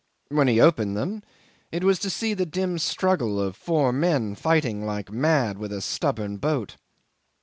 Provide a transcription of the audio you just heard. When he opened them, it was to see the dim struggle of four men fighting like mad with a stubborn boat.